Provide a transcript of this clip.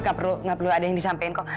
nggak perlu ada yang disampaikan kok